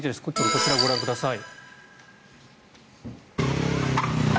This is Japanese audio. こちらご覧ください。